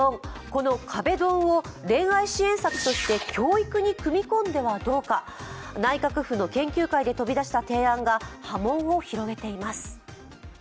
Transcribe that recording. この壁ドンを恋愛支援策として、教育に組み込んではどうか内閣府の研究会で飛び出した提案が波紋を広げています。